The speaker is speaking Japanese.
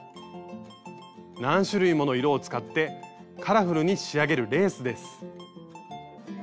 何種類もの色を使ってカラフルに仕上げるレースです。